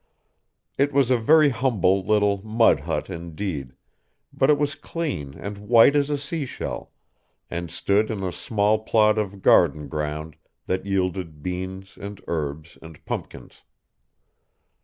It was a very humble little mud hut indeed, but it was clean and white as a sea shell, and stood in a small plot of garden ground that yielded beans and herbs and pumpkins.